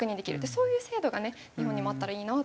そういう制度がね日本にもあったらいいなと。